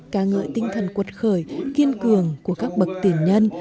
cả ngợi tinh thần quật khởi kiên cường của các bậc tiền nhân